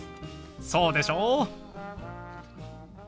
そうでしょう？